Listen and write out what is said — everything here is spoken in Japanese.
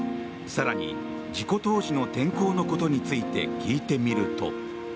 更に、事故当時の天候のことについて聞いてみると。